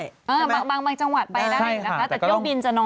ช่วยอ่ะบางจังหวัดไปได้นะคะแต่เกี้ยวบินจะน้อยหน่อย